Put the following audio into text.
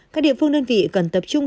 các địa phương đơn vị cần tập trung